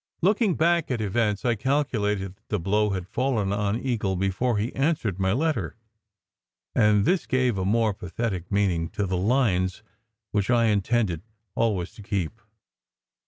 Looking back at events, I calculated that the blow had fallen on Eagle before he answered my letter, and this gave a more pathetic meaning to the lines which I intended always to keep.